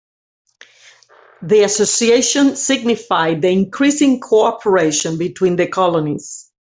The Association signified the increasing cooperation between the colonies.